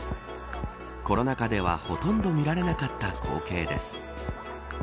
コロナ禍ではほとんど見られなかった光景です。